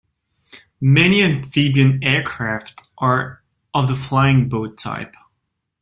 Many amphibian aircraft are of the flying boat type.